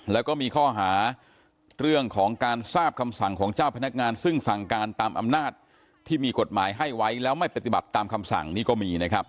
แล้วก็มีข้อหาเรื่องของการทราบคำสั่งของเจ้าพนักงานซึ่งสั่งการตามอำนาจที่มีกฎหมายให้ไว้แล้วไม่ปฏิบัติตามคำสั่งนี่ก็มีนะครับ